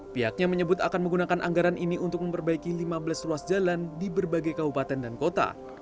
pihaknya menyebut akan menggunakan anggaran ini untuk memperbaiki lima belas ruas jalan di berbagai kabupaten dan kota